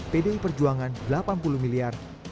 pdi perjuangan delapan puluh miliar